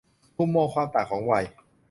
มุมมองความต่างของวัย